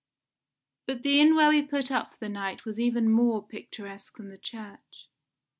But the inn where we put up for the night was even more picturesque than the church.